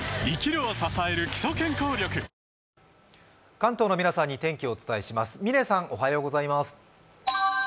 関東の皆さんに天気をお伝えします。